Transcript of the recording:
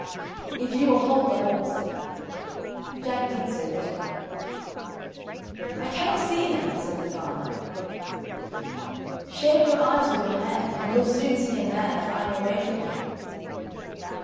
"If you will hold the horse." Jack did so readily. "I cannot see him," said the farmer. "Shade your eyes with your hand, and you'll soon see a man flying away from you."